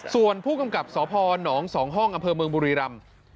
ส่วนผู้กำกับสพน๒ห้องอำเภอเมืองบุรีรำ